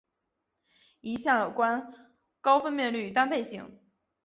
一项有关高分辨率单倍型。